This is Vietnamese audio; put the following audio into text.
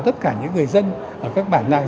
tất cả những người dân ở các bản làng